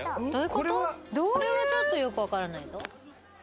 これはちょっとよくわからないぞ。